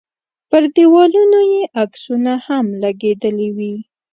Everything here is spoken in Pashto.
پر دیوالونو یې عکسونه هم لګېدلي وي.